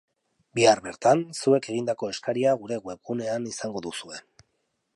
Bihar bertan, zuek egindako eskaria gure webgunean izango duzue.